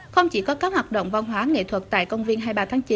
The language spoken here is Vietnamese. không chỉ có các hoạt động văn hóa nghệ thuật tại công viên hai mươi ba tháng chín